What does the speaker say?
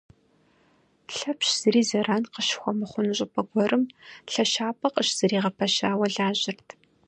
Лъэпщ зыри зэран къыщыхуэмыхъуну щӏыпӏэ гуэрым лъэщапӏэ къыщызэригъэпэщауэ лажьэрт.